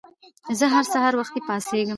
زه هر سهار وختي پاڅېږم.